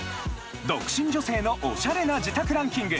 独身女性のオシャレな自宅ランキング。